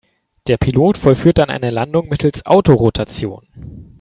Der Pilot vollführt dann eine Landung mittels Autorotation.